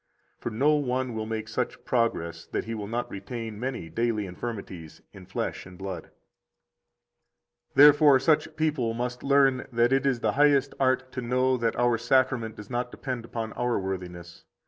60 For no one will make such progress that he will not retain many daily infirmities in flesh and blood. 61 Therefore such people must learn that it is the highest art to know that our Sacrament does not depend upon our worthiness.